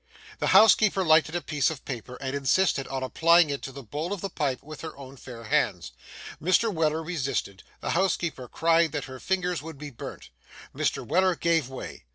The housekeeper lighted a piece of paper, and insisted on applying it to the bowl of the pipe with her own fair hands; Mr. Weller resisted; the housekeeper cried that her fingers would be burnt; Mr. Weller gave way.